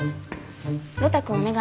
呂太くんお願い。